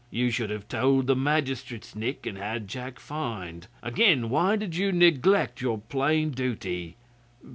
'You should have told the magistrates, Nick, and had Jack fined. Again, why did you neglect your plain duty?